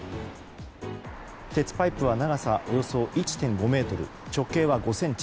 鉄パイプは長さおよそ１．５ｍ直径は５ｃｍ。